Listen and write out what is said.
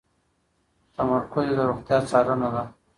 تمرکز یې د روغتیا څارنه ده.